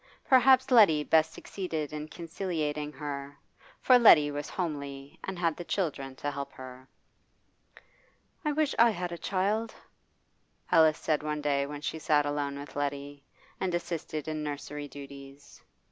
Perhaps Letty best succeeded in conciliating her, for Letty was homely and had the children to help her. 'I wish I had a child,' Alice said one day when she sat alone with Letty, and assisted in nursery duties.